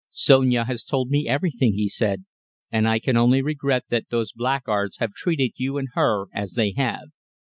"Sonia has told me everything," he said; "and I can only regret that those blackguards have treated you and her as they have.